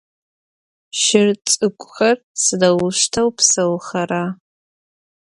Şır ts'ık'uxer sıdeuşteu pseuxera?